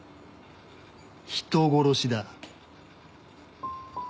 人殺しだ。